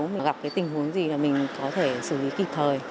mình gặp cái tình huống gì là mình có thể xử lý kịp thời